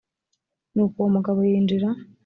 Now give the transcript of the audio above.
nuko uwo mugabo yinjira